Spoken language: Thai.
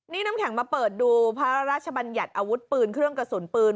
นี่น้ำแข็งมาเปิดดูพระราชบัญญัติอาวุธปืนเครื่องกระสุนปืน